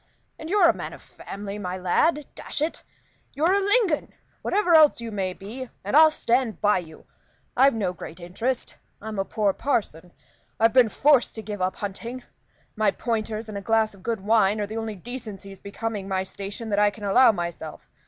And you're a man of family, my lad dash it! You're a Lingon, whatever else you may be, and I'll stand by you. I've no great interest; I'm a poor parson. I've been forced to give up hunting; my pointers and a glass of good wine are the only decencies becoming my station that I can allow myself.